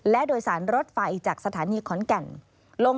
และโดยสารรถไฟจากสถานีขอนแก่นลง